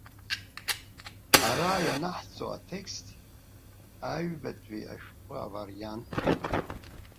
Ара ианаҳҵо атекст аҩбатәи ашәҟәы авариант ауп.